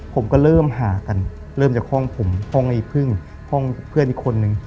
ผมก็เริ่มหากันเริ่มจากห้องผมห้องไอ้พึ่งห้องเพื่อนอีกคนนึง